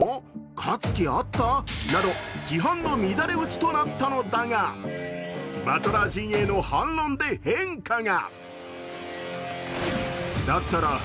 勝つ気あった？など批判の乱れ打ちとなったのだが、バトラー陣営の反論で変化が。